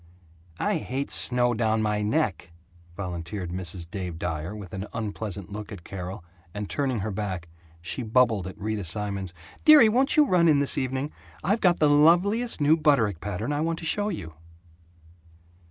"I hate snow down my neck," volunteered Mrs. Dave Dyer, with an unpleasant look at Carol and, turning her back, she bubbled at Rita Simons, "Dearie, won't you run in this evening? I've got the loveliest new Butterick pattern I want to show you."